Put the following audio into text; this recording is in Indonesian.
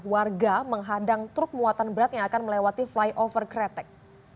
warga menghadang truk muatan berat yang akan melewati flyover kretek